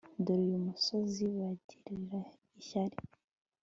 dore uyu musozi bagirir'ishyari